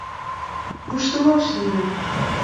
Воштылаш лие!